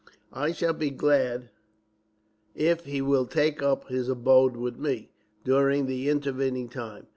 I shall be glad if he will take up his abode with me, during the intervening time.